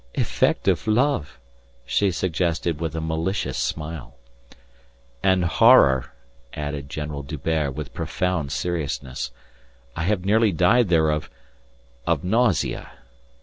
"Effect of love," she suggested with a malicious smile. "And horror," added General D'Hubert with profound seriousness. "I have nearly died there of... of nausea."